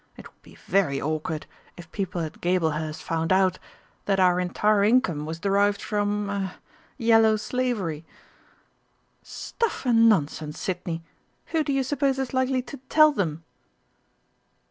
It would be very awkward if people at Gablehurst found out that our entire income was derived from er 'Yellow Slavery.'" "Stuff and nonsense, Sidney! Who do you suppose is likely to tell them?"